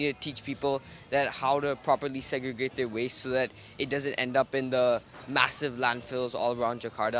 kita harus mengajar orang orang bagaimana untuk mengisahkan permasalahan mereka dengan betul agar tidak terjadi di tempat tempat tanah besar di sekitar jakarta